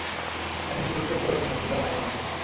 এখন পর্যন্ত তো শুনেছিলাম, আইন অন্ধ।